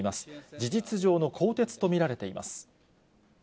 事実上の更迭と見られています。